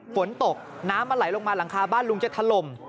ฝนตกน้ำมันไหลลงมาหลังคาบ้านลุงจะถล่ม